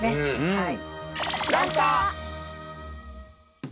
はい。